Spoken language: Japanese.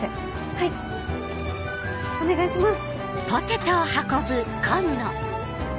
はいお願いします。